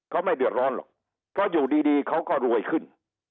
เขาไม่เดือดร้อนหรอกเพราะอยู่ดีเขาก็รวยขึ้น